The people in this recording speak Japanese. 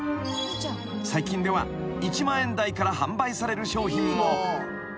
［最近では１万円台から販売される商品も］